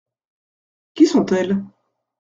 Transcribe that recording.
Qui sont-elles ?